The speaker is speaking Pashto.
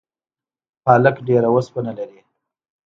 پالک ډیره اوسپنه لري